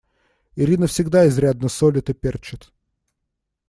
Ирина всегда изрядно солит и перчит.